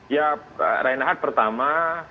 ya pak rainahat pertama